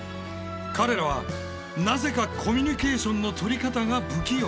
彼らはなぜかコミュニケーションのとり方が不器用。